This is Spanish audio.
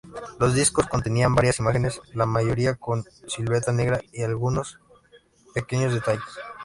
Los discos contenía varias imágenes, la mayoría con silueta negra y algunos pequeños detalles.